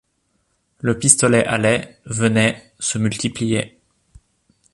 Le pistolet allait, venait, se multipliait.